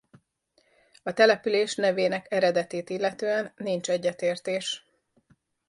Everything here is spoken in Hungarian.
A település nevének eredetét illetően nincs egyetértés.